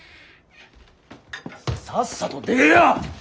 さっさと出えや！